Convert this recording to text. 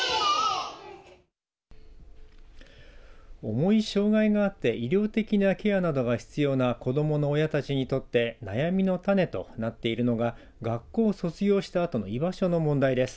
重い障害があって医療的なケアなどが必要な子どもの親たちにとって悩みの種となっているのが学校を卒業したあとの居場所の問題です。